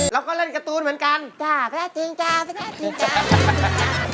เราก็เล่นการ์ตูนเหมือนกันจ้าแป๊ตติ้งจ้าแป๊ตติ้งจ้าแป๊ตติ้งจ้า